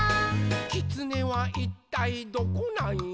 「きつねはいったいどこなんよ？」